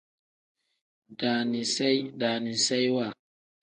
Daaniseyi pl: daaniseyiwa n.